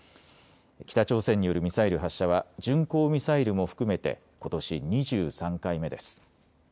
北朝鮮によるミサイル発射は巡航ミサイルも含めてことし２３回目です。